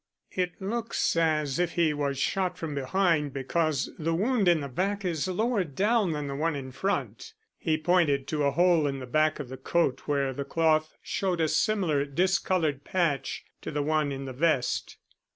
"It looks as if he was shot from behind, because the wound in the back is lower down than the one in front." He pointed to a hole in the back of the coat where the cloth showed a similar discoloured patch to the one in the vest.